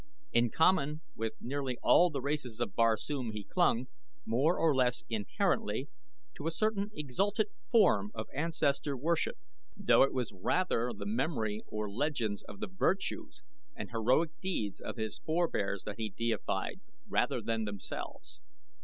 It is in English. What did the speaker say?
In common with nearly all races of Barsoom he clung, more or less inherently, to a certain exalted form of ancestor worship, though it was rather the memory or legends of the virtues and heroic deeds of his forebears that he deified rather than themselves.